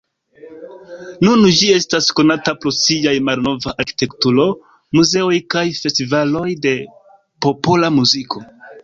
Nun ĝi estas konata pro siaj malnova arkitekturo, muzeoj kaj festivaloj de popola muziko.